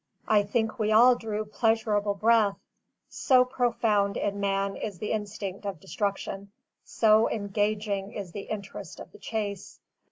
I think we all drew pleasurable breath; so profound in man is the instinct of destruction, so engaging is the interest of the chase.